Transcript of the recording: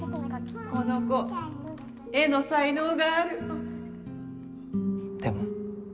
この子絵の才能があるでも。